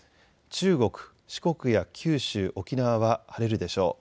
中国、四国や九州、沖縄は晴れるでしょう。